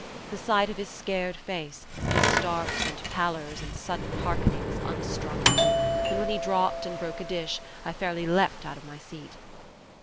The sight of his scared face, his starts and pallors and sudden harkenings, unstrung me; and when he dropped and broke a dish, I fairly leaped out of my seat.